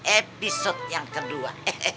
episode yang kedua